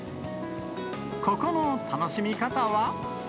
ここの楽しみ方は。